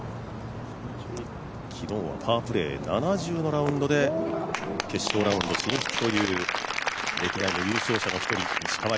昨日はパープレー７０のラウンドで決勝ラウンド進出という、歴代の優勝者の一人、石川遼。